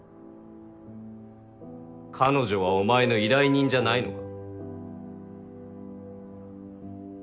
彼女はお前の依頼人じゃないのか？